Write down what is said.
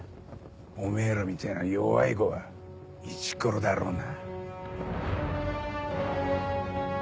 おめぇらみたいな弱い伍はイチコロだろうな。